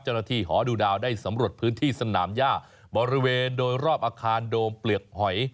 หอดูดาวได้สำรวจพื้นที่สนามย่าบริเวณโดยรอบอาคารโดมเปลือกหอย